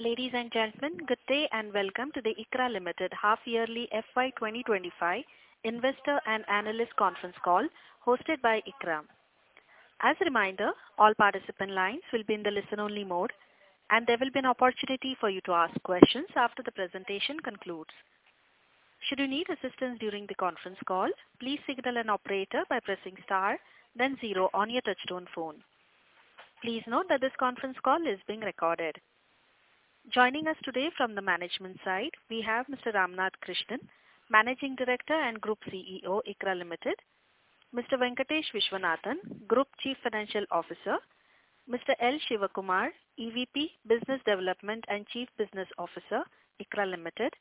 Ladies and gentlemen, good day and welcome to the ICRA Limited half-yearly FY 2025 Investor and Analyst Conference Call hosted by ICRA. As a reminder, all participant lines will be in the listen-only mode, and there will be an opportunity for you to ask questions after the presentation concludes. Should you need assistance during the conference call, please signal an operator by pressing star, then zero on your touch-tone phone. Please note that this conference call is being recorded. Joining us today from the management side, we have Mr. Ramnath Krishnan, Managing Director and Group CEO, ICRA Limited; Mr. Venkatesh Viswanathan, Group Chief Financial Officer; Mr. L. Shivakumar, EVP, Business Development and Chief Business Officer, ICRA Limited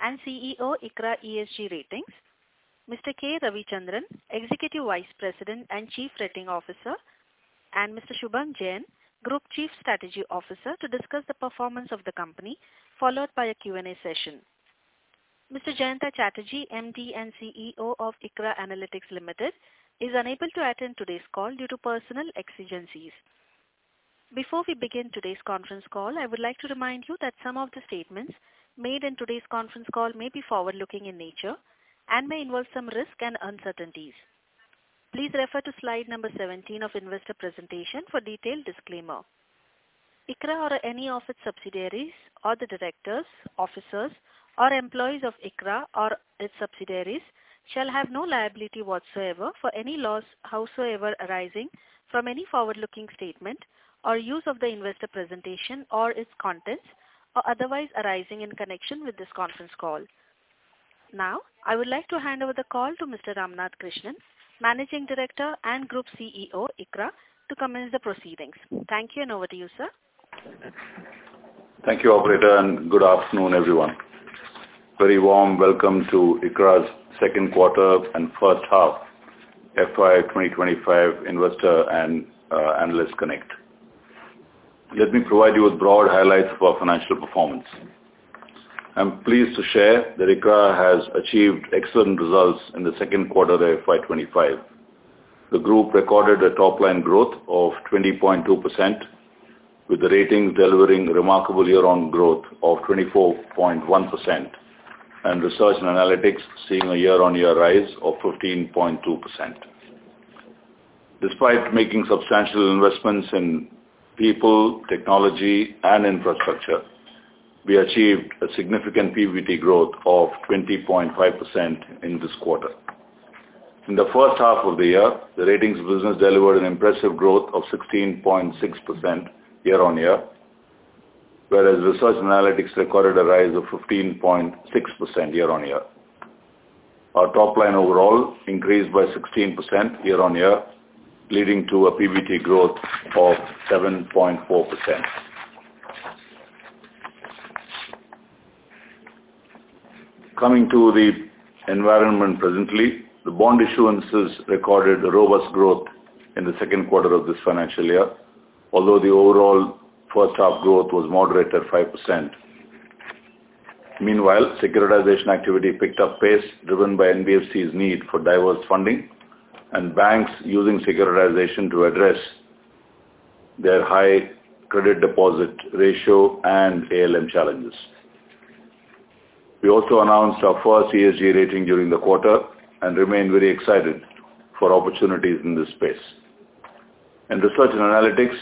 and CEO, ICRA ESG Ratings; Mr. K. Ravichandran, Executive Vice President and Chief Rating Officer; and Mr. Shubham Jain, Group Chief Strategy Officer, to discuss the performance of the company, followed by a Q&A session. Mr. Jayanta Chatterjee, MD and CEO of ICRA Analytics Limited, is unable to attend today's call due to personal exigencies. Before we begin today's conference call, I would like to remind you that some of the statements made in today's conference call may be forward-looking in nature and may involve some risk and uncertainties. Please refer to slide number 17 of the investor presentation for detailed disclaimer. ICRA or any of its subsidiaries or the directors, officers, or employees of ICRA or its subsidiaries shall have no liability whatsoever for any loss howsoever arising from any forward-looking statement or use of the investor presentation or its contents or otherwise arising in connection with this conference call. Now, I would like to hand over the call to Mr. Ramnath Krishnan, Managing Director and Group CEO, ICRA, to commence the proceedings. Thank you, and over to you, sir. Thank you, operator, and good afternoon, everyone. Very warm welcome to ICRA's second quarter and first half FY 2025 Investor and Analyst Connect. Let me provide you with broad highlights for financial performance. I'm pleased to share that ICRA has achieved excellent results in the second quarter of FY 2025. The group recorded a top-line growth of 20.2%, with the ratings delivering remarkable year-on-year growth of 24.1%, and research and analytics seeing a year-on-year rise of 15.2%. Despite making substantial investments in people, technology, and infrastructure, we achieved a significant PVT growth of 20.5% in this quarter. In the first half of the year, the ratings business delivered an impressive growth of 16.6% year-on-year, whereas research and analytics recorded a rise of 15.6% year-on-year. Our top-line overall increased by 16% year-on-year, leading to a PVT growth of 7.4%. Coming to the environment presently, the bond issuances recorded a robust growth in the second quarter of this financial year, although the overall first-half growth was moderate at 5%. Meanwhile, securitization activity picked up pace, driven by NBFC's need for diverse funding and banks using securitization to address their high credit deposit ratio and ALM challenges. We also announced our first ESG rating during the quarter and remained very excited for opportunities in this space. In research and analytics,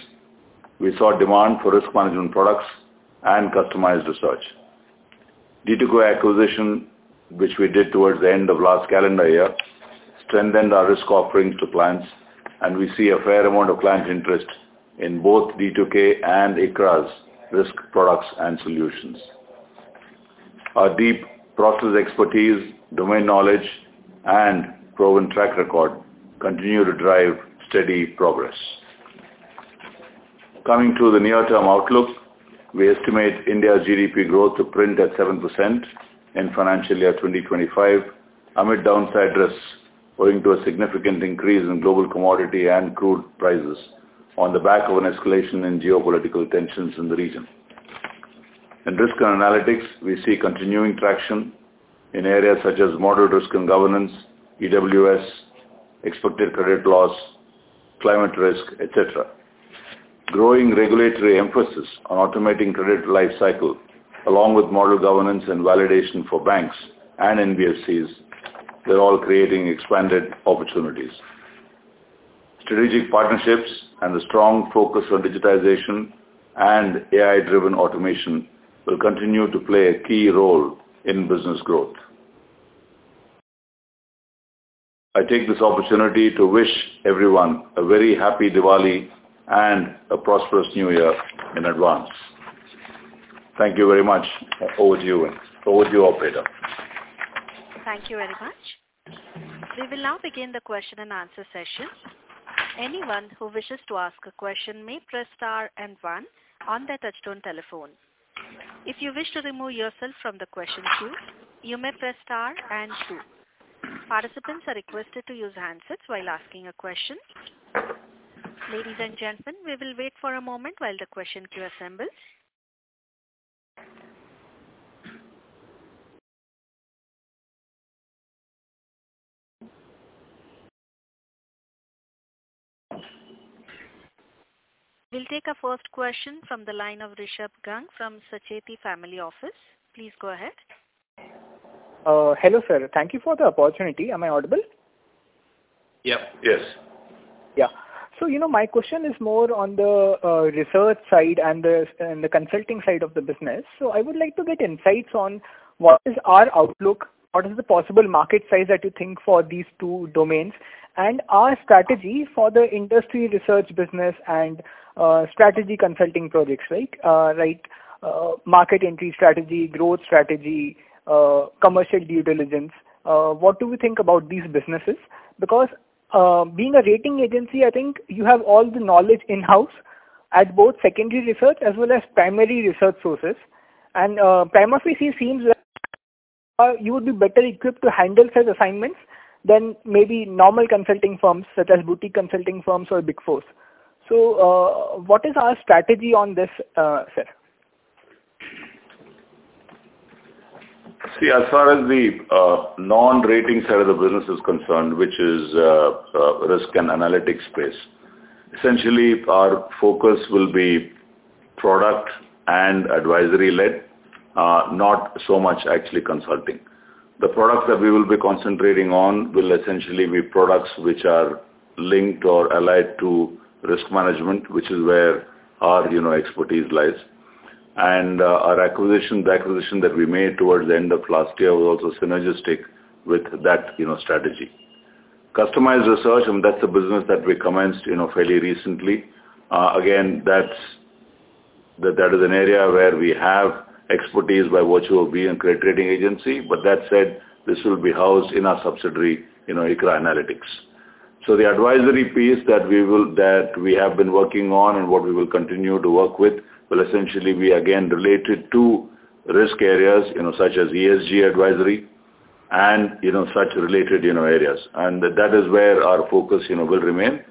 we saw demand for risk management products and customized research. D2K acquisition, which we did towards the end of last calendar year, strengthened our risk offerings to clients, and we see a fair amount of client interest in both D2K and ICRA's risk products and solutions. Our deep process expertise, domain knowledge, and proven track record continue to drive steady progress. Coming to the near-term outlook, we estimate India's GDP growth to print at 7% in financial year 2025, amid downside risks owing to a significant increase in global commodity and crude prices on the back of an escalation in geopolitical tensions in the region. In risk and analytics, we see continuing traction in areas such as model risk and governance, EWS, expected credit loss, climate risk, etc. Growing regulatory emphasis on automating credit lifecycle, along with model governance and validation for banks and NBFCs, are all creating expanded opportunities. Strategic partnerships and the strong focus on digitization and AI-driven automation will continue to play a key role in business growth. I take this opportunity to wish everyone a very happy Diwali and a prosperous New Year in advance. Thank you very much. Over to you, operator. Thank you very much. We will now begin the question and answer session. Anyone who wishes to ask a question may press star and one on their touch-tone telephone. If you wish to remove yourself from the question queue, you may press star and two. Participants are requested to use handsets while asking a question. Ladies and gentlemen, we will wait for a moment while the question queue assembles. We'll take a first question from the line of Rishabh Gang from Sacheti Family Office. Please go ahead. Hello, sir. Thank you for the opportunity. Am I audible? Yep. Yes. Yeah. So my question is more on the research side and the consulting side of the business. So I would like to get insights on what is our outlook, what is the possible market size that you think for these two domains, and our strategy for the industry research business and strategy consulting projects, right? Market entry strategy, growth strategy, commercial due diligence. What do we think about these businesses? Because being a rating agency, I think you have all the knowledge in-house at both secondary research as well as primary research sources. And ICRA seems like you would be better equipped to handle such assignments than maybe normal consulting firms such as Boutique Consulting Firms or Big 4. So what is our strategy on this, sir? See, as far as the non-rating side of the business is concerned, which is risk and analytics space, essentially our focus will be product and advisory-led, not so much actually consulting. The products that we will be concentrating on will essentially be products which are linked or allied to risk management, which is where our expertise lies. And the acquisition that we made towards the end of last year was also synergistic with that strategy. Customized research, and that's a business that we commenced fairly recently. Again, that is an area where we have expertise by virtue of being a credit rating agency. But that said, this will be housed in our subsidiary ICRA Analytics. So the advisory piece that we have been working on and what we will continue to work with will essentially be, again, related to risk areas such as ESG advisory and such related areas. That is where our focus will remain.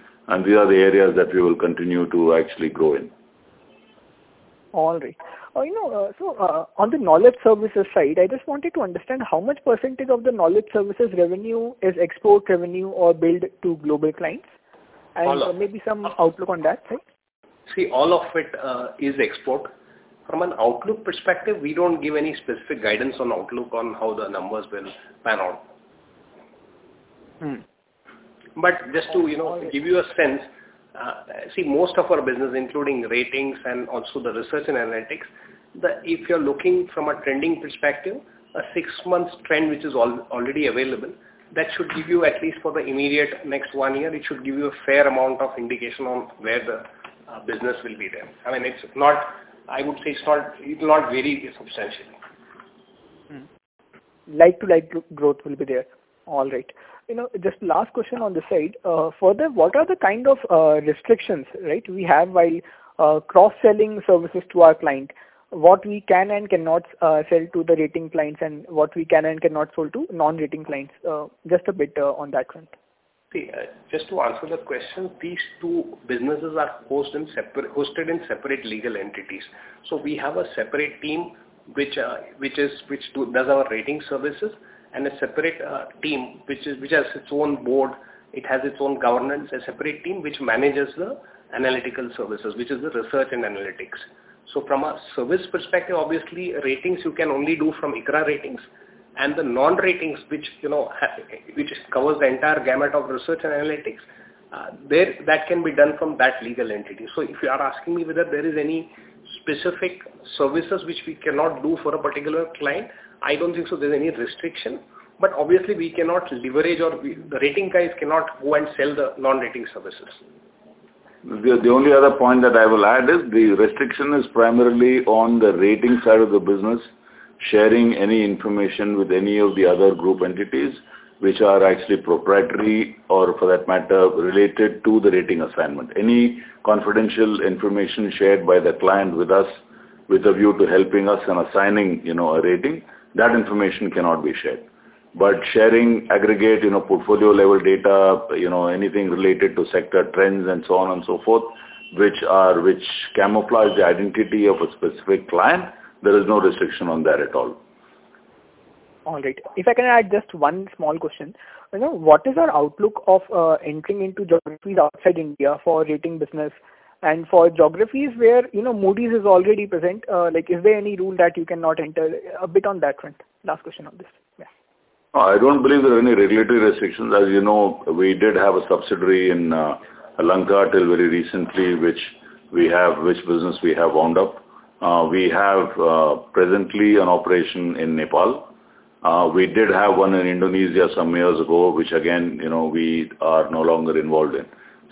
These are the areas that we will continue to actually grow in. All right, so on the knowledge services side, I just wanted to understand how much percentage of the knowledge services revenue is export revenue or billed to global clients? And maybe some outlook on that, sir? See, all of it is export. From an outlook perspective, we don't give any specific guidance on outlook on how the numbers will pan out. But just to give you a sense, see, most of our business, including ratings and also the research and analytics, if you're looking from a trending perspective, a six-month trend, which is already available, that should give you, at least for the immediate next one year, it should give you a fair amount of indication on where the business will be there. I mean, I would say it will not vary substantially. Like to like growth will be there. All right. Just last question on the side. Further, what are the kind of restrictions, right, we have while cross-selling services to our client? What we can and cannot sell to the rating clients and what we can and cannot sell to non-rating clients? Just a bit on that front. Just to answer the question, these two businesses are hosted in separate legal entities. So we have a separate team which does our rating services and a separate team which has its own board. It has its own governance, a separate team which manages the analytical services, which is the research and analytics. So from a service perspective, obviously, ratings you can only do from ICRA Ratings. And the non-ratings, which covers the entire gamut of research and analytics, that can be done from that legal entity. So if you are asking me whether there is any specific services which we cannot do for a particular client, I don't think so there's any restriction. But obviously, we cannot leverage or the rating guys cannot go and sell the non-rating services. The only other point that I will add is the restriction is primarily on the rating side of the business, sharing any information with any of the other group entities which are actually proprietary or for that matter related to the rating assignment. Any confidential information shared by the client with us with a view to helping us in assigning a rating, that information cannot be shared. But sharing aggregate portfolio-level data, anything related to sector trends and so on and so forth, which camouflage the identity of a specific client, there is no restriction on that at all. All right. If I can add just one small question, what is our outlook of entering into geographies outside India for rating business and for geographies where Moody's is already present? Is there any rule that you cannot enter? A bit on that front. Last question on this. I don't believe there are any regulatory restrictions. As you know, we did have a subsidiary in Lanka till very recently, which business we have wound up. We have presently an operation in Nepal. We did have one in Indonesia some years ago, which again, we are no longer involved in.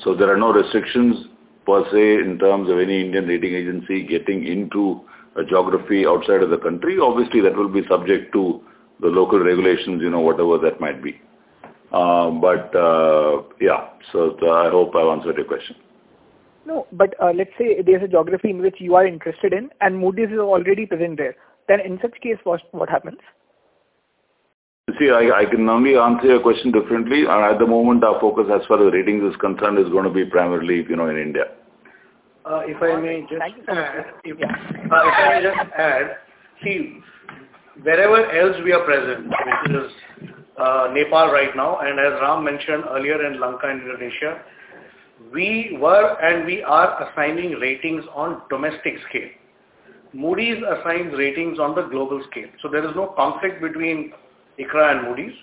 So there are no restrictions per se in terms of any Indian rating agency getting into a geography outside of the country. Obviously, that will be subject to the local regulations, whatever that might be. But yeah, so I hope I've answered your question. No, but let's say there's a geography in which you are interested in and Moody's is already present there. Then in such case, what happens? See, I can only answer your question differently. At the moment, our focus as far as ratings is concerned is going to be primarily in India. If I may just. Thank you. If I may just add, see, wherever else we are present, which is Nepal right now, and as Ram mentioned earlier in Lanka and Indonesia, we were and we are assigning ratings on domestic scale. Moody's assigns ratings on the global scale. So there is no conflict between ICRA and Moody's.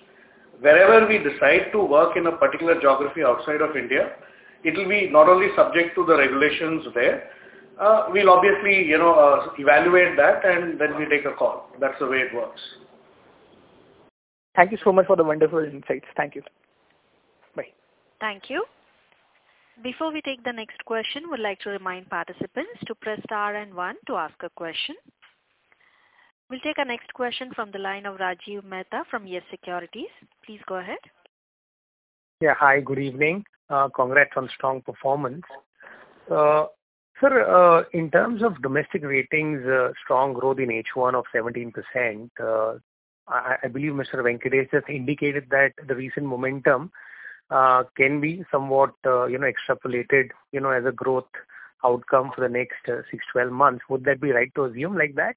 Wherever we decide to work in a particular geography outside of India, it will be not only subject to the regulations there. We'll obviously evaluate that, and then we take a call. That's the way it works. Thank you so much for the wonderful insights. Thank you. Bye. Thank you. Before we take the next question, we'd like to remind participants to press star and one to ask a question. We'll take our next question from the line of Rajiv Mehta from YES Securities. Please go ahead. Yeah. Hi. Good evening. Congrats on strong performance. Sir, in terms of domestic ratings, strong growth in H1 of 17%. I believe Mr. Venkatesh just indicated that the recent momentum can be somewhat extrapolated as a growth outcome for the next six to 12 months. Would that be right to assume like that?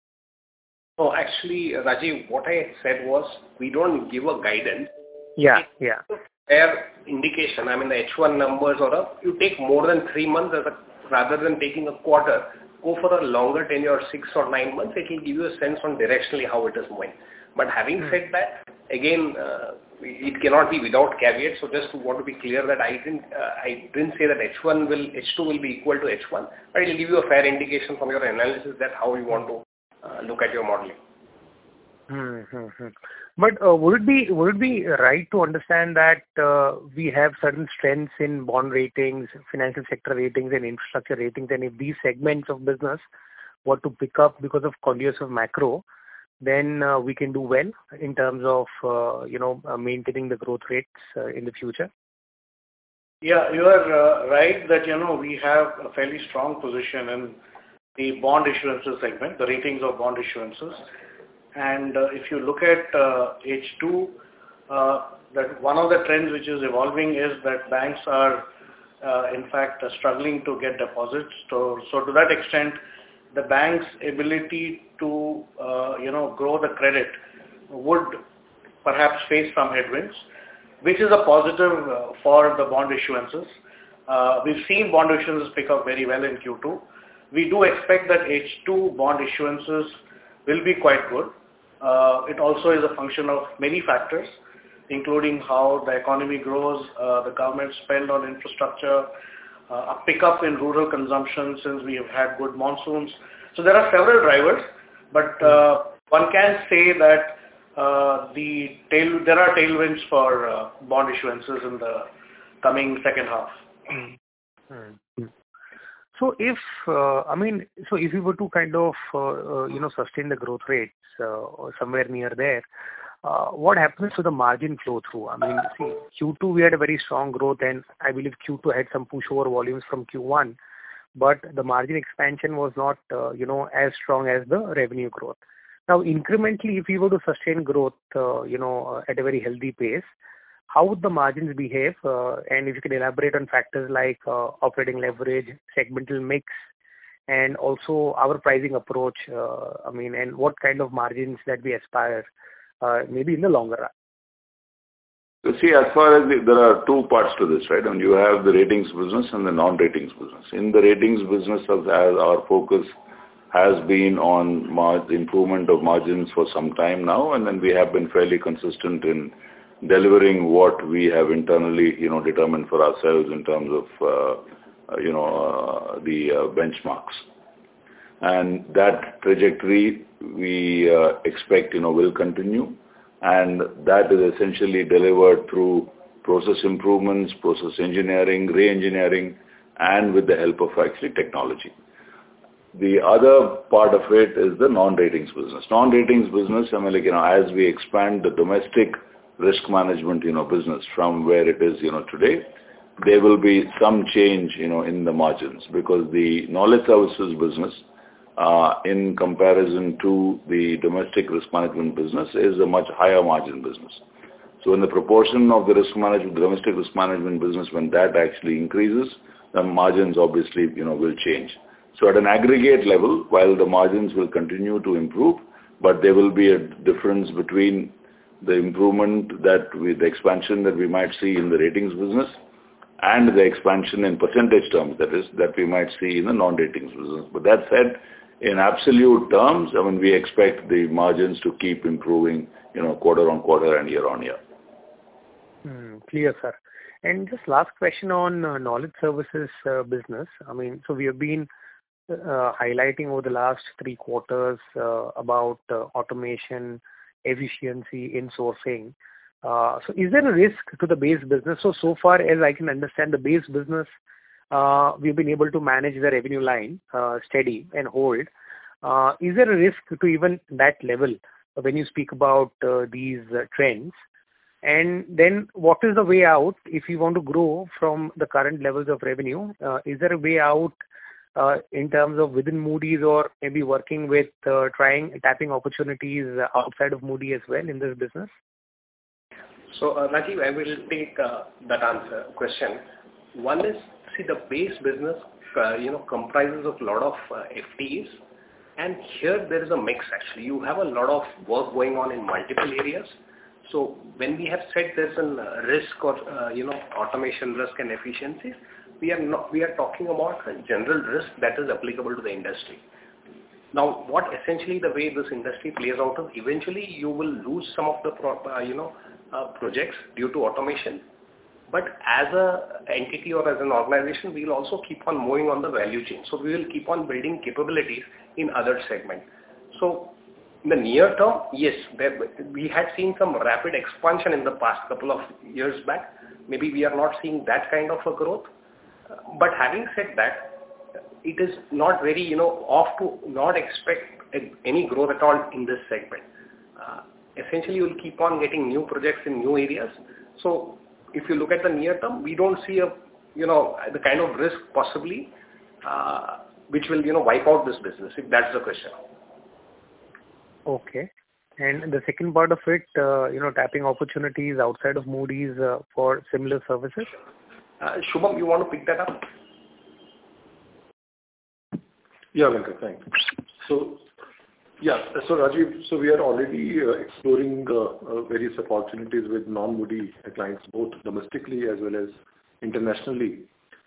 Actually, Rajiv, what I had said was we don't give a guidance. Yeah. Yeah. a fair indication, I mean, the H1 numbers or you take more than three months rather than taking a quarter. Go for a longer tenure of six or nine months. It will give you a sense on directionally how it is going. But having said that, again, it cannot be without caveat. So just want to be clear that I didn't say that H2 will be equal to H1, but it will give you a fair indication from your analysis that how you want to look at your modeling. But would it be right to understand that we have certain strengths in bond ratings, financial sector ratings, and infrastructure ratings, and if these segments of business want to pick up because of continuous macro, then we can do well in terms of maintaining the growth rates in the future? Yeah. You are right that we have a fairly strong position in the bond issuances segment, the ratings of bond issuances, and if you look at H2, one of the trends which is evolving is that banks are, in fact, struggling to get deposits. So to that extent, the bank's ability to grow the credit would perhaps face some headwinds, which is a positive for the bond issuances. We've seen bond issuances pick up very well in Q2. We do expect that H2 bond issuances will be quite good. It also is a function of many factors, including how the economy grows, the government spend on infrastructure, a pickup in rural consumption since we have had good monsoons. So there are several drivers, but one can say that there are tailwinds for bond issuances in the coming second half. I mean, so if we were to kind of sustain the growth rates somewhere near there, what happens to the margin flow-through? I mean, see, Q2, we had a very strong growth, and I believe Q2 had some pushover volumes from Q1, but the margin expansion was not as strong as the revenue growth. Now, incrementally, if we were to sustain growth at a very healthy pace, how would the margins behave? And if you can elaborate on factors like operating leverage, segmental mix, and also our pricing approach, I mean, and what kind of margins that we aspire, maybe in the longer run? See, as far as there are two parts to this, right? And you have the ratings business and the non-ratings business. In the ratings business, our focus has been on improvement of margins for some time now, and then we have been fairly consistent in delivering what we have internally determined for ourselves in terms of the benchmarks. And that trajectory we expect will continue, and that is essentially delivered through process improvements, process engineering, re-engineering, and with the help of actually technology. The other part of it is the non-ratings business. Non-ratings business, I mean, as we expand the domestic risk management business from where it is today, there will be some change in the margins because the knowledge services business, in comparison to the domestic risk management business, is a much higher margin business. So when the proportion of the domestic risk management business, when that actually increases, then margins obviously will change. So at an aggregate level, while the margins will continue to improve, but there will be a difference between the improvement that with the expansion that we might see in the ratings business and the expansion in percentage terms, that is, that we might see in the non-ratings business. But that said, in absolute terms, I mean, we expect the margins to keep improving quarter on quarter and year-on-year. Clear, sir. And just last question on knowledge services business. I mean, so we have been highlighting over the last three quarters about automation, efficiency, in-sourcing. So is there a risk to the base business? So far as I can understand, the base business, we've been able to manage the revenue line steady and hold. Is there a risk to even that level when you speak about these trends? And then what is the way out if you want to grow from the current levels of revenue? Is there a way out in terms of within Moody's or maybe working with trying tapping opportunities outside of Moody's as well in this business? So Rajiv, I will take that answer question. One is, see, the base business comprises of a lot of FTEs, and here there is a mix, actually. You have a lot of work going on in multiple areas. So when we have said there's a risk or automation risk and efficiencies, we are talking about a general risk that is applicable to the industry. Now, essentially, the way this industry plays out is eventually you will lose some of the projects due to automation. But as an entity or as an organization, we will also keep on moving on the value chain. So we will keep on building capabilities in other segments. So in the near term, yes, we had seen some rapid expansion in the past couple of years back. Maybe we are not seeing that kind of a growth. But having said that, it is not very off to not expect any growth at all in this segment. Essentially, we'll keep on getting new projects in new areas. So if you look at the near term, we don't see the kind of risk possibly which will wipe out this business, if that's the question. Okay. And the second part of it, tapping opportunities outside of Moody's for similar services? Shubham, you want to pick that up? Yeah, Venkatesh, thanks. So yeah, so Rajiv, so we are already exploring various opportunities with non-Moody's clients, both domestically as well as internationally.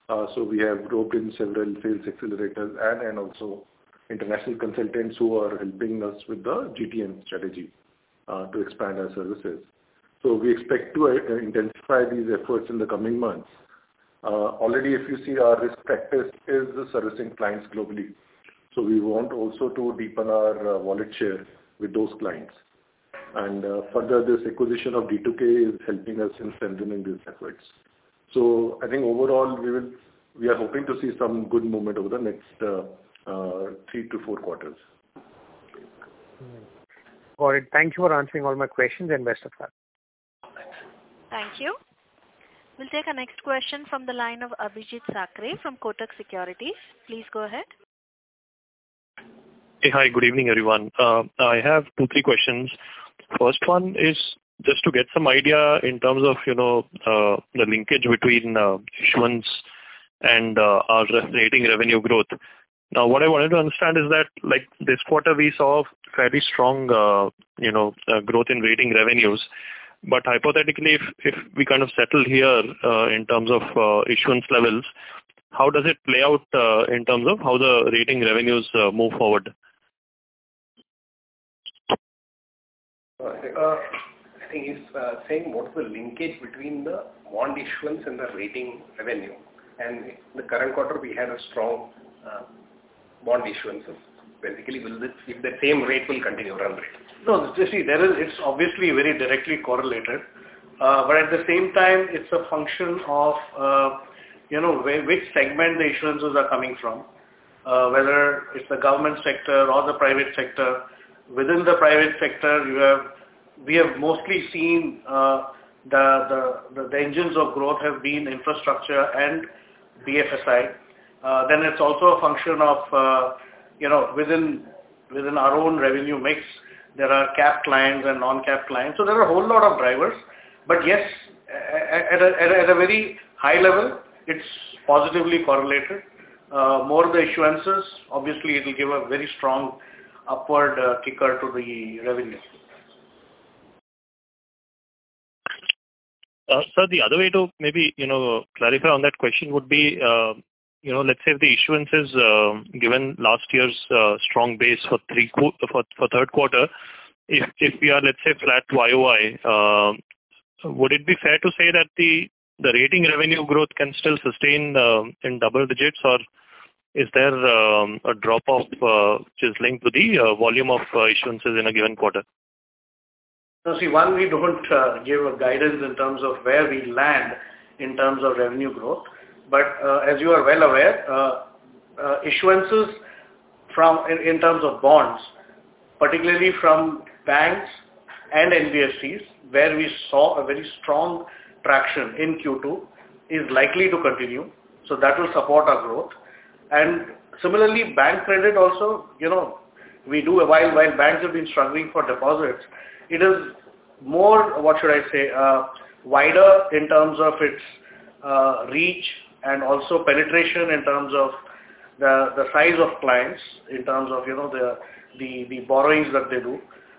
So we have roped in several sales accelerators and also international consultants who are helping us with the GTM strategy to expand our services. So we expect to intensify these efforts in the coming months. Already, if you see, our risk analytics is servicing clients globally. So we want also to deepen our wallet share with those clients. And further, this acquisition of D2K is helping us in strengthening these efforts. So I think overall, we are hoping to see some good movement over the next three to four quarters. Got it. Thank you for answering all my questions and best of luck. Thank you. We'll take our next question from the line of Abhijeet Sakhare from Kotak Securities. Please go ahead. Hey, hi. Good evening, everyone. I have two, three questions. First one is just to get some idea in terms of the linkage between issuance and our rating revenue growth. Now, what I wanted to understand is that this quarter, we saw fairly strong growth in rating revenues. But hypothetically, if we kind of settle here in terms of issuance levels, how does it play out in terms of how the rating revenues move forward? I think it's saying what's the linkage between the bond issuance and the rating revenue. And in the current quarter, we had a strong bond issuance. Basically, will that same rate continue to run? No, it's obviously very directly correlated. But at the same time, it's a function of which segment the issuances are coming from, whether it's the government sector or the private sector. Within the private sector, we have mostly seen the engines of growth have been infrastructure and BFSI. Then it's also a function of within our own revenue mix, there are cap clients and non-cap clients. So there are a whole lot of drivers. But yes, at a very high level, it's positively correlated. More of the issuances, obviously, it will give a very strong upward kicker to the revenue. Sir, the other way to maybe clarify on that question would be, let's say the issuance has given last year's strong base for third quarter. If we are, let's say, flat to YoY, would it be fair to say that the rating revenue growth can still sustain in double digits, or is there a drop-off which is linked to the volume of issuances in a given quarter? So see, one, we don't give a guidance in terms of where we land in terms of revenue growth. But as you are well aware, issuances in terms of bonds, particularly from banks and NBFCs, where we saw a very strong traction in Q2, is likely to continue. So that will support our growth. And similarly, bank credit also, we do as well while banks have been struggling for deposits, it is more, what should I say, wider in terms of its reach and also penetration in terms of the size of clients, in terms of the borrowings that they do.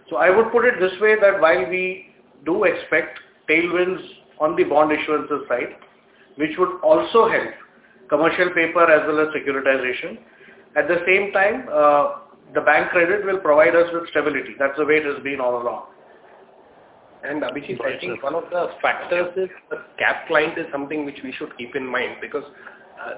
So I would put it this way that while we do expect tailwinds on the bond issuances side, which would also help commercial paper as well as securitization, at the same time, the bank credit will provide us with stability. That's the way it has been all along. And Abhijeet, I think one of the factors is the cap client is something which we should keep in mind because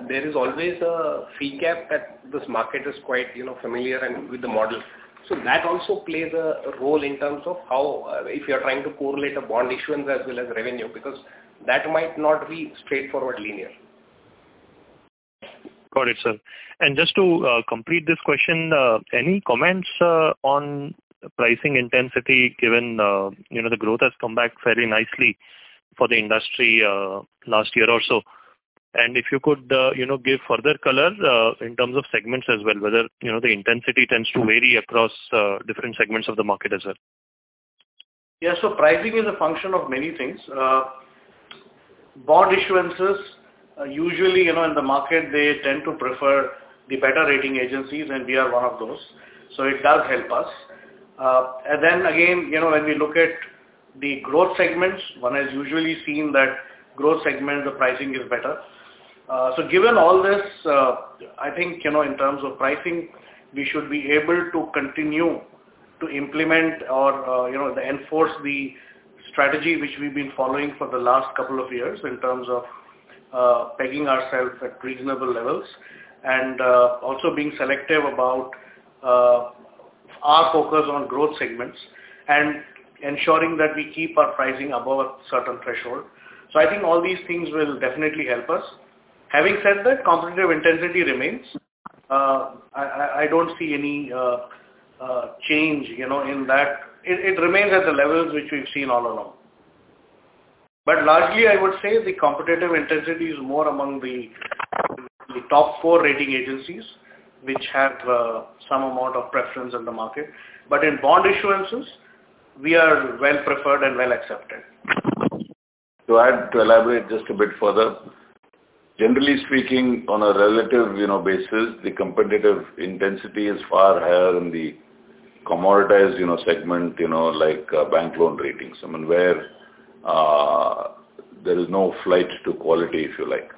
there is always a fee cap that this market is quite familiar with the model. So that also plays a role in terms of how, if you're trying to correlate a bond issuance as well as revenue because that might not be straightforward linear. Got it, sir. And just to complete this question, any comments on pricing intensity given the growth has come back fairly nicely for the industry last year or so? And if you could give further color in terms of segments as well, whether the intensity tends to vary across different segments of the market as well. Yeah. So pricing is a function of many things. Bond issuances usually in the market, they tend to prefer the better rating agencies, and we are one of those. So it does help us. And then again, when we look at the growth segments, one has usually seen that growth segment, the pricing is better. So given all this, I think in terms of pricing, we should be able to continue to implement or enforce the strategy which we've been following for the last couple of years in terms of pegging ourselves at reasonable levels and also being selective about our focus on growth segments and ensuring that we keep our pricing above a certain threshold. So I think all these things will definitely help us. Having said that, competitive intensity remains. I don't see any change in that. It remains at the levels which we've seen all along. But largely, I would say the competitive intensity is more among the top four rating agencies which have some amount of preference in the market. But in bond issuances, we are well preferred and well accepted. To add, to elaborate just a bit further, generally speaking, on a relative basis, the competitive intensity is far higher in the commoditized segment like bank loan ratings, I mean, where there is no flight to quality, if you like.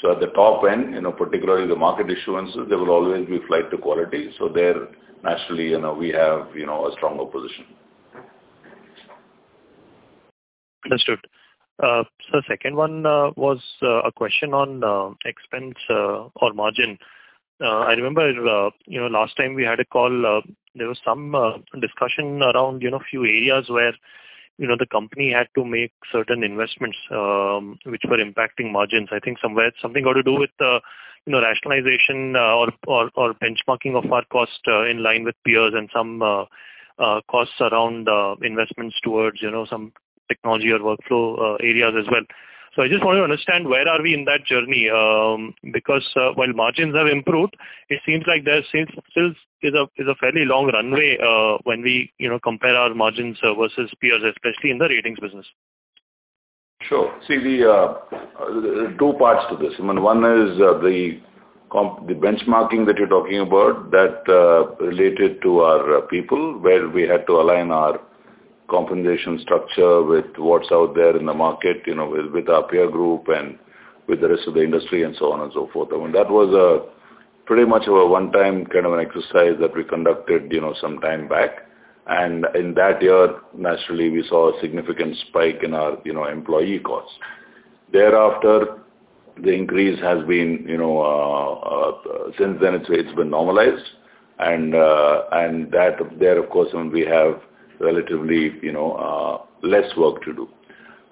So at the top end, particularly the market issuances, there will always be flight to quality. So there, naturally, we have a stronger position. Understood. So the second one was a question on expense or margin. I remember last time we had a call, there was some discussion around a few areas where the company had to make certain investments which were impacting margins. I think something got to do with rationalization or benchmarking of our cost in line with peers and some costs around investments towards some technology or workflow areas as well. So I just want to understand where are we in that journey? Because while margins have improved, it seems like there still is a fairly long runway when we compare our margins versus peers, especially in the ratings business. Sure. See, there are two parts to this. I mean, one is the benchmarking that you're talking about that related to our people, where we had to align our compensation structure with what's out there in the market with our peer group and with the rest of the industry and so on and so forth. I mean, that was pretty much a one-time kind of an exercise that we conducted some time back, and in that year, naturally, we saw a significant spike in our employee costs. Thereafter, the increase has been since then, it's been normalized, and there, of course, we have relatively less work to do.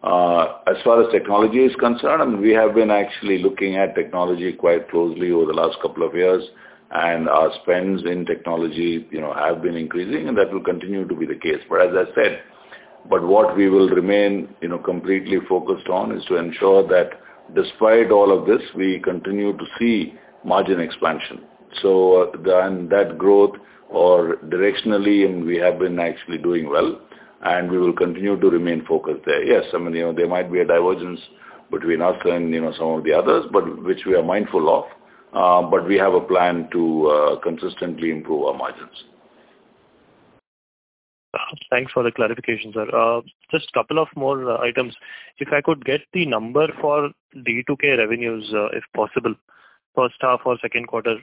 As far as technology is concerned, I mean, we have been actually looking at technology quite closely over the last couple of years, and our spends in technology have been increasing, and that will continue to be the case. But as I said, what we will remain completely focused on is to ensure that despite all of this, we continue to see margin expansion. So that growth or directionally, we have been actually doing well, and we will continue to remain focused there. Yes, I mean, there might be a divergence between us and some of the others, which we are mindful of, but we have a plan to consistently improve our margins. Thanks for the clarification, sir. Just a couple of more items. If I could get the number for D2K revenues, if possible, first half or second quarter,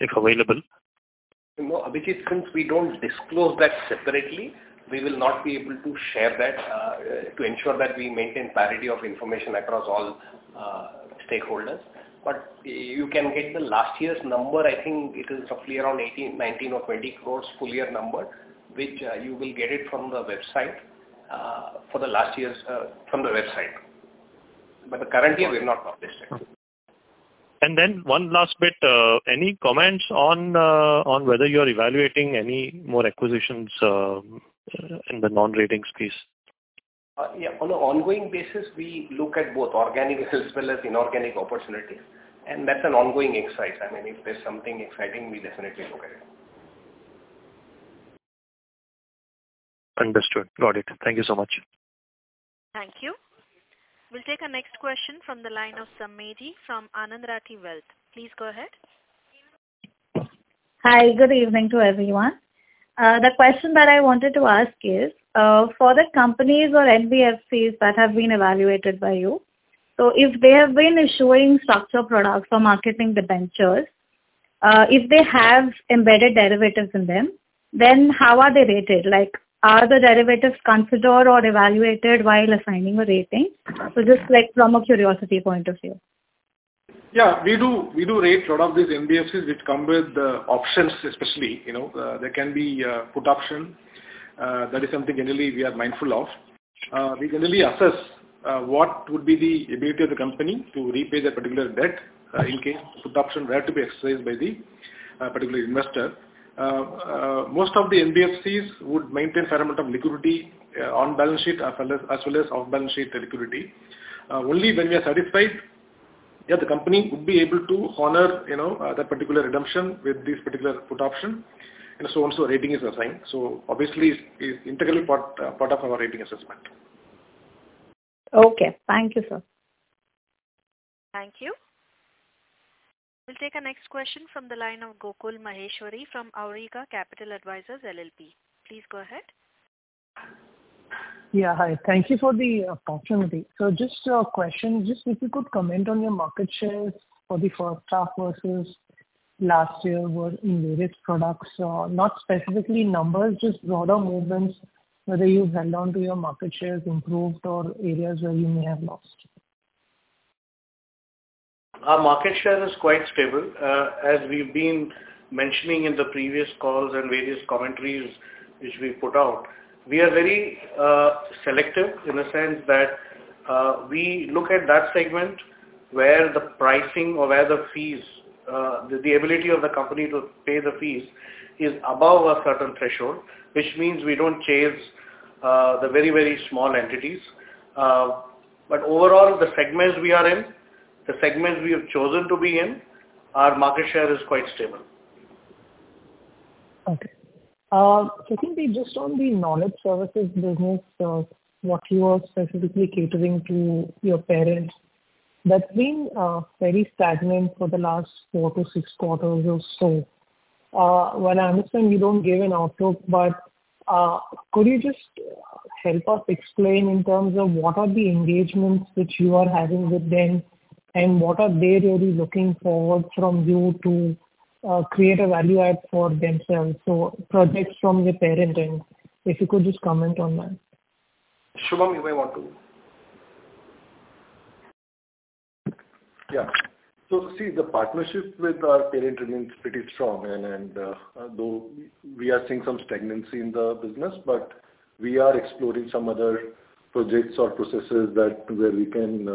if available. No, Abhijeet, since we don't disclose that separately, we will not be able to share that to ensure that we maintain parity of information across all stakeholders. But you can get the last year's number. I think it is roughly around 18-20 crores full year number, which you will get from the website for the last year's. But the current year, we've not published it. And then one last bit. Any comments on whether you're evaluating any more acquisitions in the non-rating space? Yeah. On an ongoing basis, we look at both organic as well as inorganic opportunities. And that's an ongoing exercise. I mean, if there's something exciting, we definitely look at it. Understood. Got it. Thank you so much. Thank you. We'll take our next question from the line of Sammedi from Anand Rathi Wealth. Please go ahead. Hi. Good evening to everyone. The question that I wanted to ask is, for the companies or NBFCs that have been evaluated by you, so if they have been issuing structured products or marketing the ventures, if they have embedded derivatives in them, then how are they rated? Are the derivatives considered or evaluated while assigning a rating? So just from a curiosity point of view. Yeah. We do rate a lot of these NBFCs which come with options, especially. There can be put option. That is something generally we are mindful of. We generally assess what would be the ability of the company to repay their particular debt in case the put option were to be exercised by the particular investor. Most of the NBFCs would maintain a fair amount of liquidity on balance sheet as well as off-balance sheet liquidity. Only when we are satisfied, yeah, the company would be able to honor that particular redemption with this particular put option. And so on and so rating is assigned. So obviously, it's integral part of our rating assessment. Okay. Thank you, sir. Thank you. We'll take our next question from the line of Gokul Maheshwari from Awriga Capital Advisors LLP. Please go ahead. Yeah. Hi. Thank you for the opportunity. So just a question. Just if you could comment on your market shares for the first half versus last year in various products, not specifically numbers, just broader movements, whether you've held on to your market shares improved or areas where you may have lost. Our market share is quite stable. As we've been mentioning in the previous calls and various commentaries which we put out, we are very selective in the sense that we look at that segment where the pricing or where the fees, the ability of the company to pay the fees is above a certain threshold, which means we don't chase the very, very small entities. But overall, the segments we are in, the segments we have chosen to be in, our market share is quite stable. Okay. So I think we just on the knowledge services business, what you are specifically catering to your parent, that's been very stagnant for the last four to six quarters or so. Well, I understand you don't give an outlook, but could you just help us explain in terms of what are the engagements which you are having with them and what are they really looking for from you to create a value add for themselves? So projects from your parent, if you could just comment on that. Shubham. You may want to? Yeah. So see, the partnership with our parent remains pretty strong. And though we are seeing some stagnancy in the business, but we are exploring some other projects or processes where we can,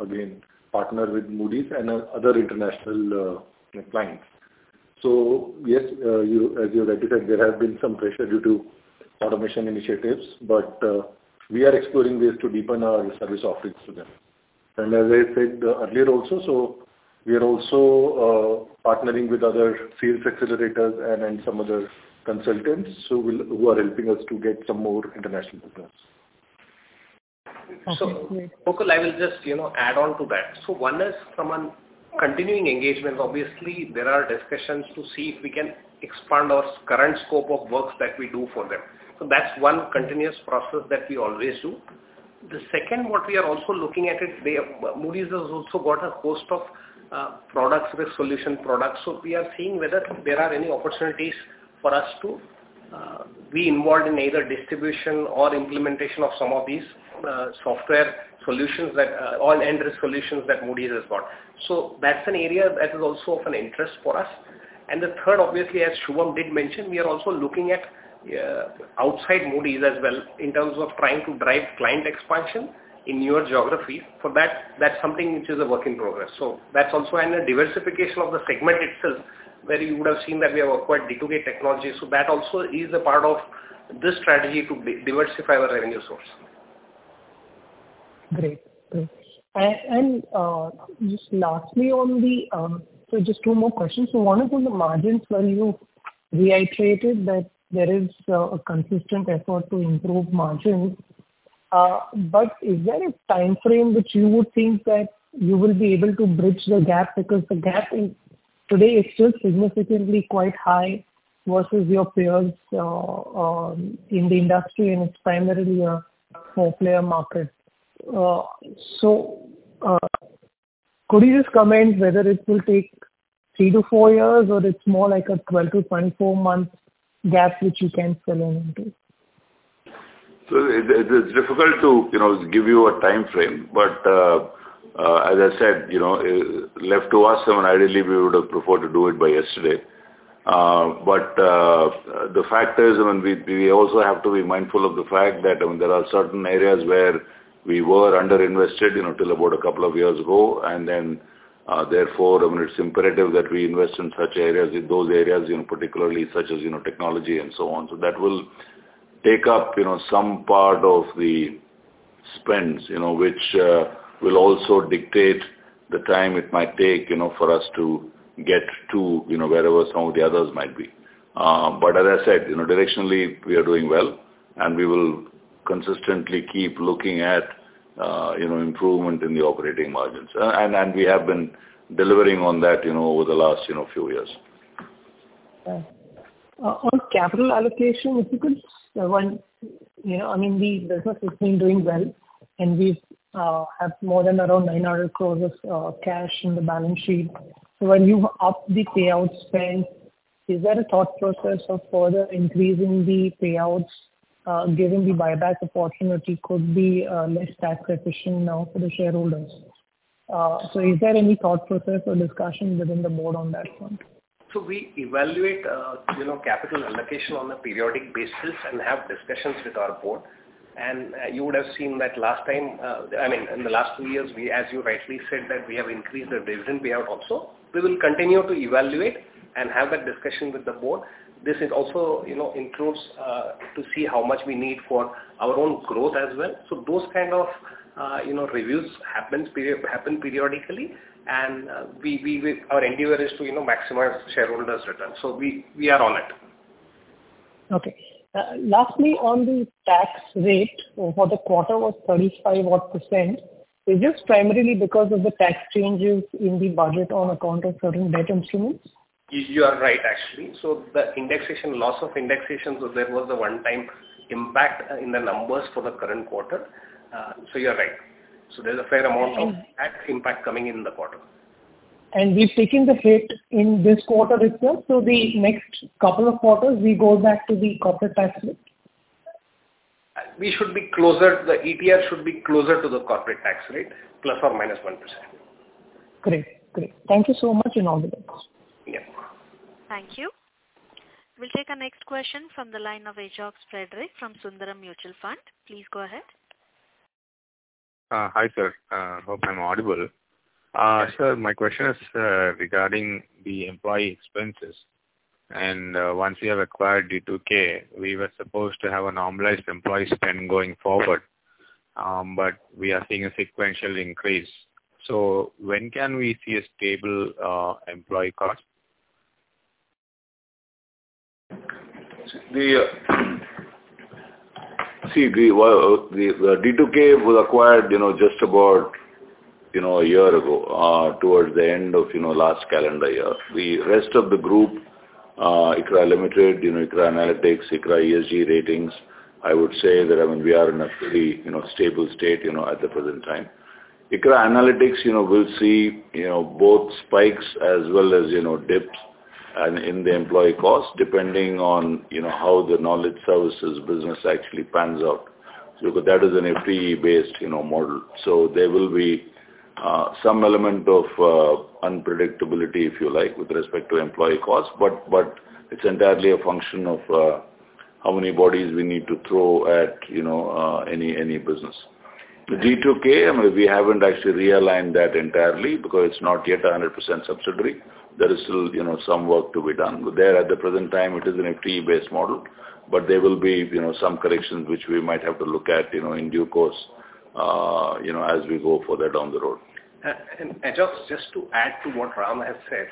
again, partner with Moody's and other international clients. So yes, as you said, there has been some pressure due to automation initiatives, but we are exploring ways to deepen our service offerings to them. And as I said earlier also, so we are also partnering with other sales accelerators and some other consultants who are helping us to get some more international business. Gokul, I will just add on to that. So one is from a continuing engagement, obviously, there are discussions to see if we can expand our current scope of work that we do for them. So that's one continuous process that we always do. The second, what we are also looking at is Moody's has also got a host of products, solution products. So we are seeing whether there are any opportunities for us to be involved in either distribution or implementation of some of these software solutions that end-to-end solutions that Moody's has got. So that's an area that is also of interest for us. And the third, obviously, as Shubham did mention, we are also looking at outside Moody's as well in terms of trying to drive client expansion in newer geographies. For that, that's something which is a work in progress. That's also a diversification of the segment itself, where you would have seen that we have acquired D2K Technologies. That also is a part of this strategy to diversify our revenue source. Great. And just lastly, so just two more questions. So one is on the margins when you reiterated that there is a consistent effort to improve margins. But is there a time frame which you would think that you will be able to bridge the gap? Because the gap today is still significantly quite high versus your peers in the industry, and it's primarily a four-player market. So could you just comment whether it will take three to four years or it's more like a 12-24-month gap which you can fill in into? It's difficult to give you a time frame. But as I said, left to us, I mean, ideally, we would have preferred to do it by yesterday. But the fact is, I mean, we also have to be mindful of the fact that there are certain areas where we were underinvested till about a couple of years ago. And then therefore, I mean, it's imperative that we invest in such areas, those areas, particularly such as technology and so on. So that will take up some part of the spends, which will also dictate the time it might take for us to get to wherever some of the others might be. But as I said, directionally, we are doing well, and we will consistently keep looking at improvement in the operating margins. And we have been delivering on that over the last few years. On capital allocation, if you could, I mean, the business has been doing well, and we have more than around 900 crores of cash in the balance sheet. So when you up the payout spend, is there a thought process of further increasing the payouts, given the buyback opportunity could be less tax efficient now for the shareholders? So is there any thought process or discussion within the board on that front? So we evaluate capital allocation on a periodic basis and have discussions with our board. And you would have seen that last time I mean, in the last two years, as you rightly said, that we have increased the dividend payout also. We will continue to evaluate and have that discussion with the board. This also includes to see how much we need for our own growth as well. So those kind of reviews happen periodically. And our endeavor is to maximize shareholders' return. So we are on it. Okay. Lastly, on the tax rate for the quarter was 35-odd percent. Is this primarily because of the tax changes in the budget on account of certain debt instruments? You are right, actually. So the indexation, loss of indexation, so there was a one-time impact in the numbers for the current quarter. So you're right. So there's a fair amount of tax impact coming in the quarter. And we've taken the rate in this quarter itself? So the next couple of quarters, we go back to the corporate tax rate? We should be closer to the corporate tax rate, plus or minus 1%. Great. Great. Thank you so much in all the ways. Yeah. Thank you. We'll take our next question from the line of Ajox Frederick from Sundaram Mutual Fund. Please go ahead. Hi, sir. I hope I'm audible. Sir, my question is regarding the employee expenses. And once we have acquired D2K, we were supposed to have a normalized employee spend going forward, but we are seeing a sequential increase. So when can we see a stable employee cost? See, the D2K was acquired just about a year ago, towards the end of last calendar year. The rest of the group, ICRA Limited, ICRA Analytics, ICRA ESG Ratings, I would say that, I mean, we are in a pretty stable state at the present time. ICRA Analytics will see both spikes as well as dips in the employee cost, depending on how the knowledge services business actually pans out. So that is an FTE-based model. So there will be some element of unpredictability, if you like, with respect to employee costs. But it's entirely a function of how many bodies we need to throw at any business. The D2K, I mean, we haven't actually realigned that entirely because it's not yet 100% subsidiary. There is still some work to be done. But there, at the present time, it is an FTE-based model. But there will be some corrections which we might have to look at in due course as we go further down the road. And just to add to what Ram has said,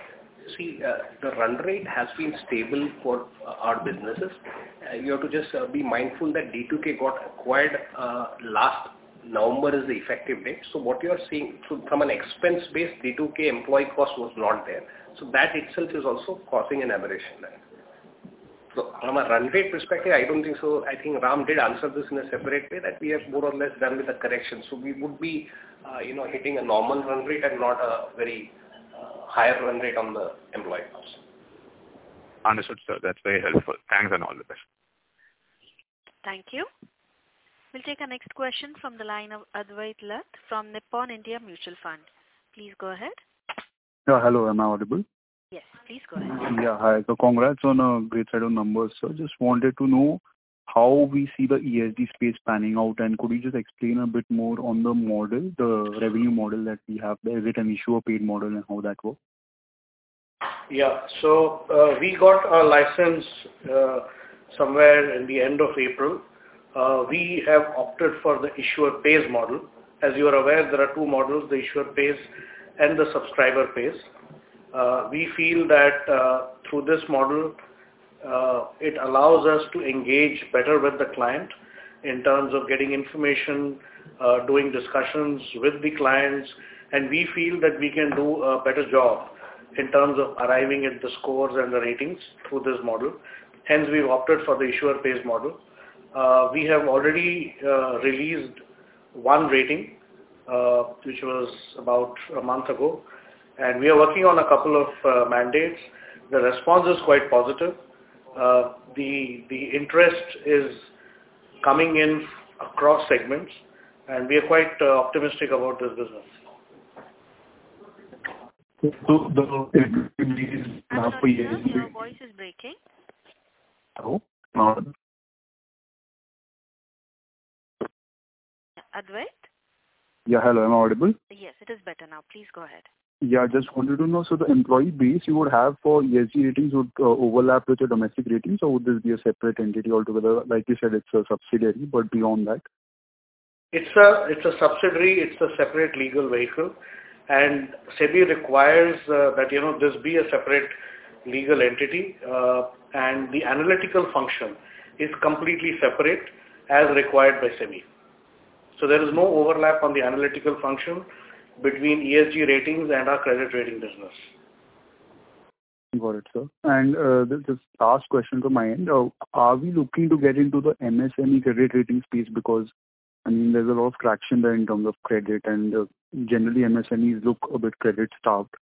see, the run rate has been stable for our businesses. You have to just be mindful that D2K got acquired last November is the effective date. So what you are seeing, from an expense-based D2K, employee cost was not there. So that itself is also causing an aberration. So from a run rate perspective, I don't think so. I think Ram did answer this in a separate way that we have more or less done with the corrections. So we would be hitting a normal run rate and not a very higher run rate on the employee cost. Understood, sir. That's very helpful. Thanks and all the best. Thank you. We'll take our next question from the line of Advait Lath from Nippon India Mutual Fund. Please go ahead. Hello. Am I audible? Yes. Please go ahead. Yeah. Hi. So congrats on great set of numbers, sir. Just wanted to know how we see the ESG space panning out. And could you just explain a bit more on the model, the revenue model that we have there? Is it an issuer-paid model and how that works? Yeah. So we got our license somewhere in the end of April. We have opted for the issuer-pays model. As you are aware, there are two models: the issuer-pays and the subscriber-pays. We feel that through this model, it allows us to engage better with the client in terms of getting information, doing discussions with the clients. And we feel that we can do a better job in terms of arriving at the scores and the ratings through this model. Hence, we've opted for the issuer-pays model. We have already released one rating, which was about a month ago. And we are working on a couple of mandates. The response is quite positive. The interest is coming in across segments. And we are quite optimistic about this business. So the revenue is now for ESG. Your voice is breaking. Hello? Not at all. Advait? Yeah. Hello. Am I audible? Yes. It is better now. Please go ahead. Yeah. I just wanted to know, so the employee base you would have for ESG ratings would overlap with your domestic ratings? Or would this be a separate entity altogether? Like you said, it's a subsidiary. But beyond that? It's a subsidiary. It's a separate legal vehicle. And SEBI requires that this be a separate legal entity. And the analytical function is completely separate as required by SEBI. So there is no overlap on the analytical function between ESG ratings and our credit rating business. Got it, sir. And just last question to my end. Are we looking to get into the MSME credit rating space? Because, I mean, there's a lot of traction there in terms of credit. And generally, MSMEs look a bit credit-starved.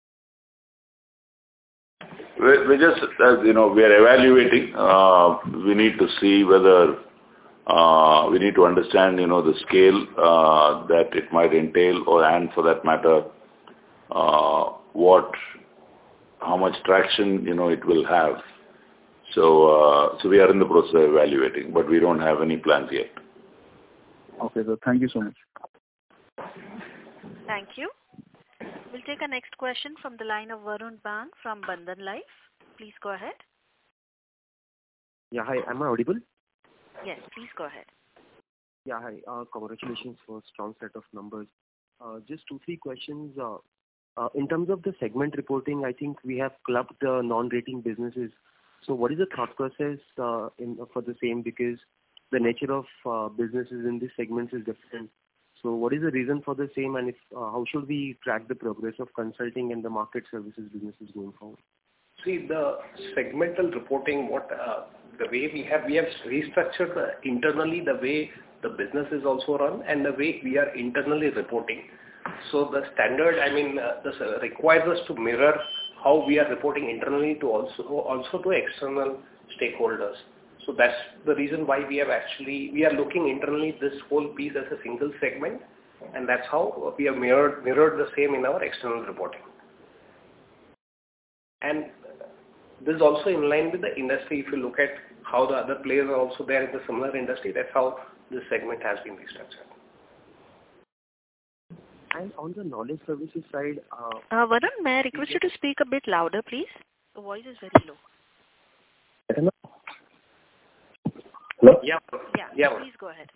We're evaluating. We need to see whether we need to understand the scale that it might entail or, for that matter, how much traction it will have. So we are in the process of evaluating. But we don't have any plans yet. Okay. Thank you so much. Thank you. We'll take our next question from the line of Varun Bang from Bandhan Life. Please go ahead. Yeah. Hi. Am I audible? Yes. Please go ahead. Yeah. Hi. Congratulations for a strong set of numbers. Just two or three questions. In terms of the segment reporting, I think we have clubbed the non-rating businesses. So what is the thought process for the same? Because the nature of businesses in these segments is different. So what is the reason for the same? And how should we track the progress of consulting and the market services businesses going forward? See, the segmental reporting, the way we have restructured internally, the way the business is also run, and the way we are internally reporting. So the standard, I mean, requires us to mirror how we are reporting internally to also do external stakeholders. So that's the reason why we are actually looking internally at this whole piece as a single segment. And that's how we have mirrored the same in our external reporting. And this is also in line with the industry. If you look at how the other players are also there in the similar industry, that's how this segment has been restructured. On the knowledge services side. Varun, may I request you to speak a bit louder, please? The voice is very low. I don't know. Hello? Yeah. Yeah. Please go ahead.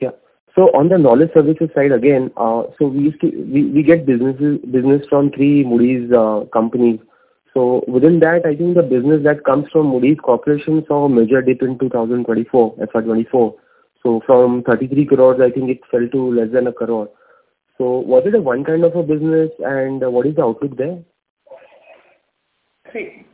Yeah. So on the knowledge services side, again, so we get business from three Moody's companies. So within that, I think the business that comes from Moody's Corporation saw a major dip in 2024, FY 2024. So from 33 crores, I think it fell to less than 1 crore. So was it a one kind of a business? And what is the outlook there? See,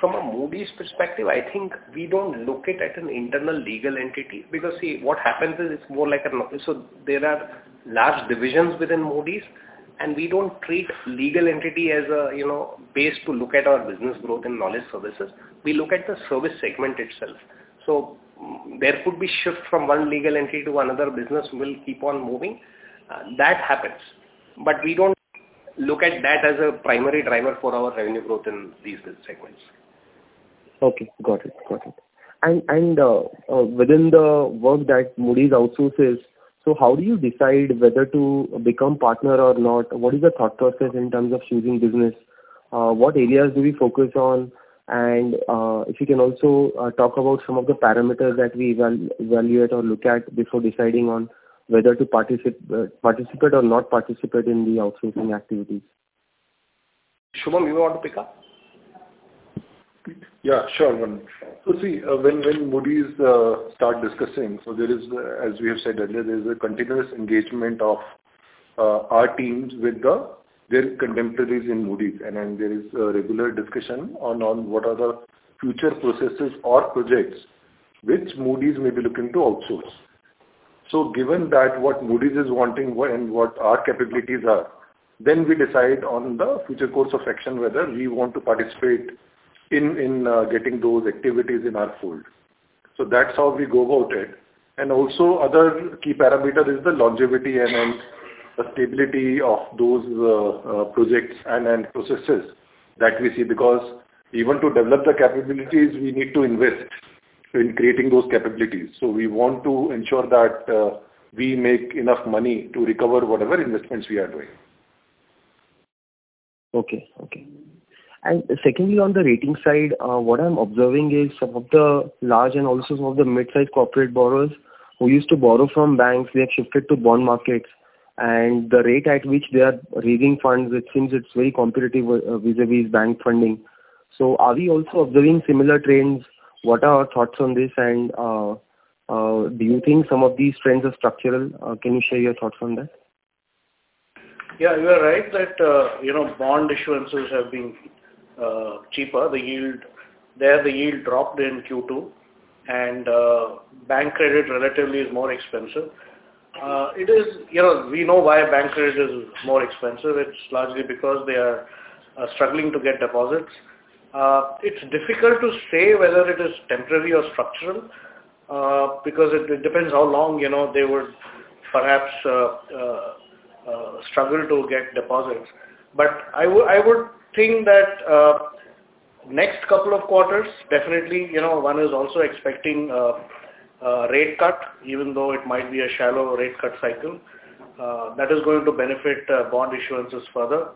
from a Moody's perspective, I think we don't look at it as an internal legal entity. Because see, what happens is it's more like a so there are large divisions within Moody's. And we don't treat legal entity as a base to look at our business growth and knowledge services. We look at the service segment itself. So there could be a shift from one legal entity to another business. We'll keep on moving. That happens. But we don't look at that as a primary driver for our revenue growth in these segments. Okay. Got it. Got it. And within the work that Moody's outsources, so how do you decide whether to become partner or not? What is the thought process in terms of choosing business? What areas do we focus on? And if you can also talk about some of the parameters that we evaluate or look at before deciding on whether to participate or not participate in the outsourcing activities. Shubham, you want to pick up? Yeah. Sure. So see, when Moody's starts discussing, so there is, as we have said earlier, there is a continuous engagement of our teams with their contemporaries in Moody's. And then there is a regular discussion on what are the future processes or projects which Moody's may be looking to outsource. So given that what Moody's is wanting and what our capabilities are, then we decide on the future course of action whether we want to participate in getting those activities in our fold. So that's how we go about it. And also, another key parameter is the longevity and the stability of those projects and processes that we see. Because even to develop the capabilities, we need to invest in creating those capabilities. So we want to ensure that we make enough money to recover whatever investments we are doing. Okay. Okay. And secondly, on the rating side, what I'm observing is some of the large and also some of the mid-sized corporate borrowers who used to borrow from banks, they have shifted to bond markets. And the rate at which they are raising funds, it seems it's very competitive vis-à-vis bank funding. So are we also observing similar trends? What are our thoughts on this? And do you think some of these trends are structural? Can you share your thoughts on that? Yeah. You are right that bond issuances have been cheaper. The yield dropped in Q2, and bank credit relatively is more expensive. We know why bank credit is more expensive. It's largely because they are struggling to get deposits. It's difficult to say whether it is temporary or structural, because it depends how long they would perhaps struggle to get deposits, but I would think that next couple of quarters, definitely, one is also expecting a rate cut, even though it might be a shallow rate cut cycle. That is going to benefit bond issuances further,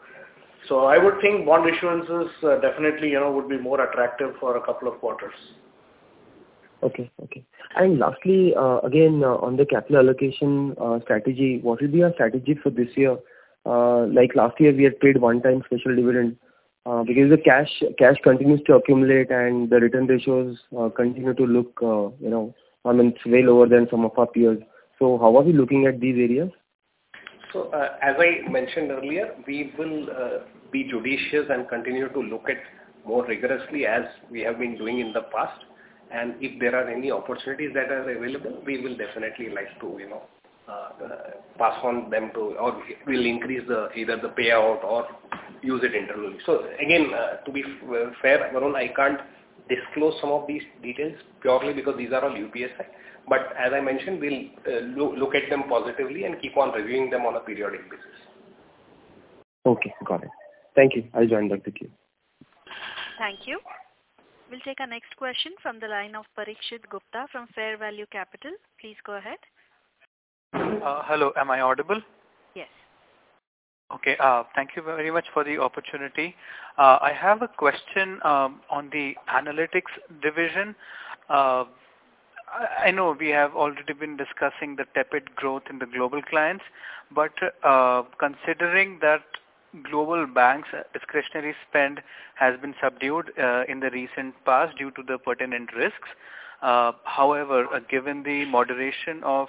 so I would think bond issuances definitely would be more attractive for a couple of quarters. Okay. Okay. And lastly, again, on the capital allocation strategy, what will be our strategy for this year? Like last year, we had paid one-time special dividend. Because the cash continues to accumulate, and the return ratios continue to look, I mean, it's well over than some of our peers. So how are we looking at these areas? So as I mentioned earlier, we will be judicious and continue to look at more rigorously as we have been doing in the past. And if there are any opportunities that are available, we will definitely like to pass on them to or we'll increase either the payout or use it internally. So again, to be fair, Varun, I can't disclose some of these details purely because these are all UPSI. But as I mentioned, we'll look at them positively and keep on reviewing them on a periodic basis. Okay. Got it. Thank you. I'll join the queue. Thank you. We'll take our next question from the line of Parikshit Gupta from Fair Value Capital. Please go ahead. Hello. Am I audible? Yes. Okay. Thank you very much for the opportunity. I have a question on the analytics division. I know we have already been discussing the tepid growth in the global clients. But considering that global banks' discretionary spend has been subdued in the recent past due to the pertinent risks, however, given the moderation of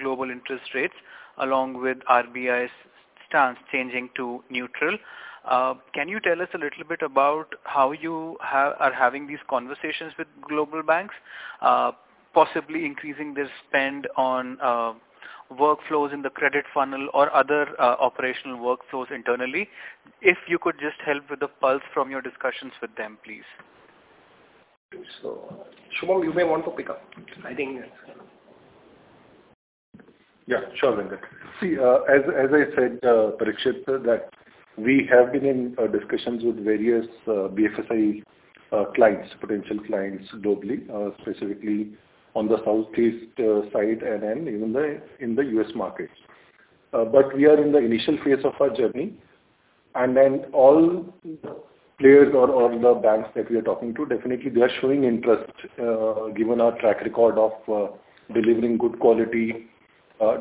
global interest rates along with RBI's stance changing to neutral, can you tell us a little bit about how you are having these conversations with global banks, possibly increasing their spend on workflows in the credit funnel or other operational workflows internally? If you could just help with a pulse from your discussions with them, please. So Shubham, you may want to pick up. I think. Yeah. Sure. See, as I said, Parikshit, that we have been in discussions with various BFSI clients, potential clients globally, specifically on the Southeast side and even in the U.S. markets. But we are in the initial phase of our journey. And then all players or the banks that we are talking to, definitely, they are showing interest given our track record of delivering good quality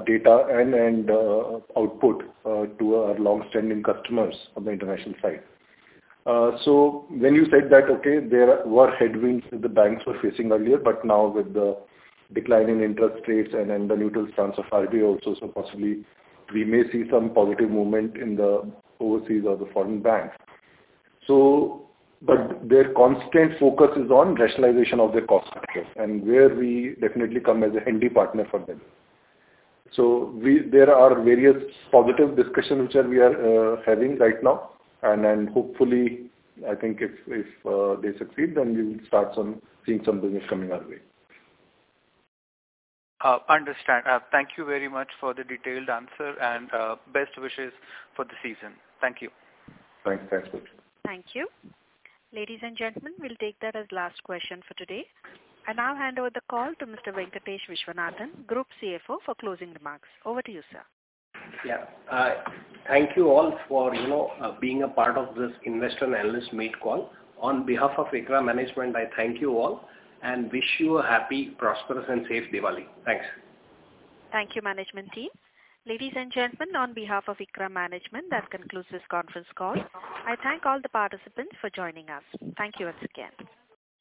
data and output to our long-standing customers on the international side. So when you said that, okay, there were headwinds that the banks were facing earlier. But now, with the decline in interest rates and the neutral stance of RBI also, so possibly, we may see some positive movement in the overseas or the foreign banks. But their constant focus is on rationalization of their cost structures. And where we definitely come as a handy partner for them. So there are various positive discussions which we are having right now. And hopefully, I think if they succeed, then we will start seeing some business coming our way. Understand. Thank you very much for the detailed answer. And best wishes for the season. Thank you. Thanks, Parikshit. Thank you. Ladies and gentlemen, we'll take that as last question for today. I now hand over the call to Mr. Venkatesh Viswanathan, Group CFO, for closing remarks. Over to you, sir. Yeah. Thank you all for being a part of this investor and analyst meet call. On behalf of ICRA Management, I thank you all and wish you a happy, prosperous, and safe Diwali. Thanks. Thank you, Management Team. Ladies and gentlemen, on behalf of ICRA Management, that concludes this conference call. I thank all the participants for joining us. Thank you once again.